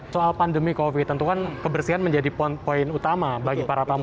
soal pandemi covid tentukan kebersihan menjadi poin utama bagi para tamu